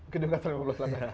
gedung kantor lima belas lantai